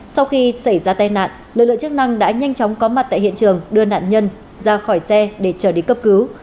sau khi xảy ra tai nạn lực lượng chức năng đã nhanh chóng có mặt tại hiện trường đưa nạn nhân ra khỏi xe để trở đi cấp cứu